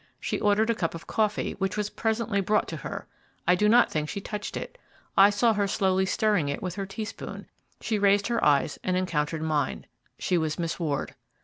She ordered a cup of coffee, which was presently brought to her. I do not think she touched it. I saw her slowly stirring it with her teaspoon; she raised her eyes and encountered mine. She was Miss Ward.